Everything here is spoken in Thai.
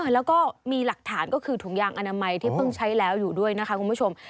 แล้วก็มีหลักฐานก็คือถุงยางอนามัยที่เพิ่งใช้แล้วอยู่ด้วยนะคะคุณผู้ชม